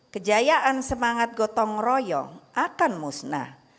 kejayaan semangat gotong royong akan musnah